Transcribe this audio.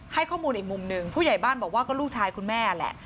ให้ข้อมูลอีกมุมหนึ่งผู้ใหญ่บ้านบอกว่าก็ลูกชายคุณแม่แหละ